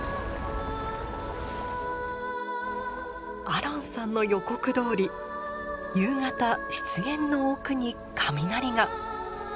アランさんの予告どおり夕方湿原の奥に雷が。